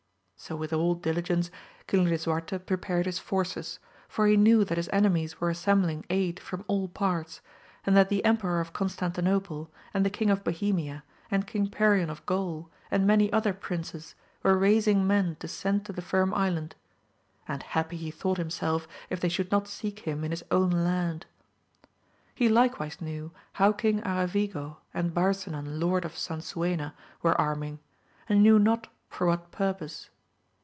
So with all diligence King lisuarte prepared his forces, for he knew that his enemies were assembling aid from all parts, and that the Emperor of Constantinople, and the King of Bohemia, and King Perion of Gaul, and many other princes were raising men to send to the Firm Island, and happy he thought himself if they should not seek him in his own land. He likewise knew how King Aravigo and Barsinan Lord of San suena were arming, and he knew not for what purpose.